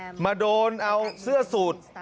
แล้วมาโดนเอาเสื้อสุด